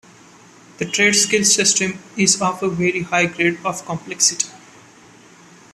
The tradeskill system is of a very high grade of complexity.